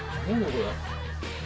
これ。